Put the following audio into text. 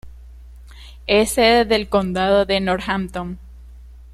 Es sede del condado de Northampton.